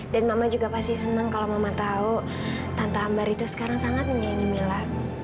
dan mama juga pasti senang kalau mama tahu tante ambar itu sekarang sangat menyayangi mila